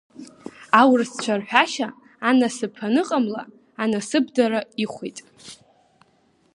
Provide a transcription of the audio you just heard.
Аурысцәа рҳәашьа, анасыԥ аныҟамла, анасыԥдара ихәеит.